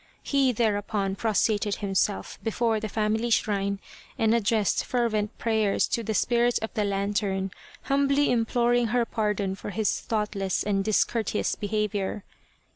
He thereupon prostrated himself before the family shrine and ad dressed fervent prayers to the Spirit of the Lantern, humbly imploring her pardon for his thoughtless and discourteous behaviour.